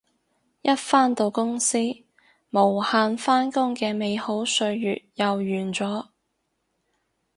一返到公司無限扮工嘅美好歲月又完咗